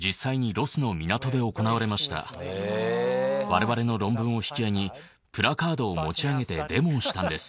我々の論文を引き合いにプラカードを持ち上げてデモをしたんです。